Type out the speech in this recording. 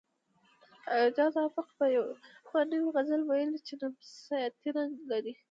اعجاز افق یو نوی غزل ویلی چې نفسیاتي رنګ لري